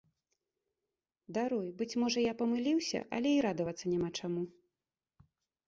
Даруй, быць можа, я памыліўся, але і радавацца няма чаму!